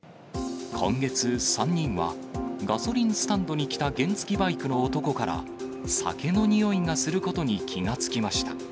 今月、３人は、ガソリンスタンドに来た原付きバイクの男から、酒の臭いがすることに気が付きました。